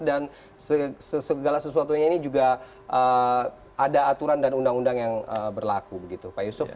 dan segala sesuatunya ini juga ada aturan dan undang undang yang berlaku begitu pak yusuf